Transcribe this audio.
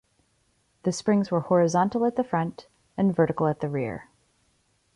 The springs were horizontal at the front and vertical at the rear.